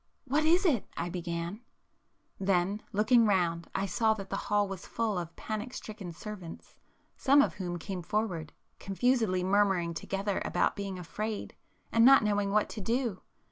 "What is it?"—I began;—then, looking round I saw that the hall was full of panic stricken servants, some of whom came forward, confusedly murmuring together about being 'afraid,' and 'not knowing what to do.